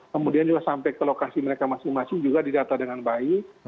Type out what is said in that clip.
kemudian juga sampai ke lokasi mereka masing masing juga didata dengan baik